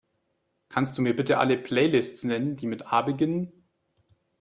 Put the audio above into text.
Kannst Du mir bitte alle Playlists nennen, die mit A beginnen?